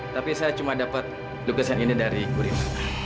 tapi saya cuma dapat lukisan ini dari kurir